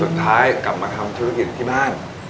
สุดท้ายกลับมาทำธุรกิจที่บ้าน